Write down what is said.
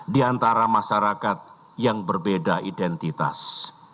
di antara masyarakat yang berbeda identitas